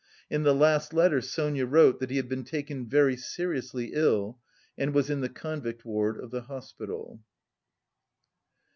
In the last letter Sonia wrote that he had been taken very seriously ill and was in the convict ward of the hospital.